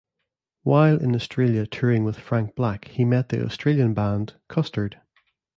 While in Australia touring with Frank Black he met the Australian band Custard.